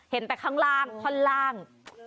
เห็นแต่ข้างล่างท่อนล่าง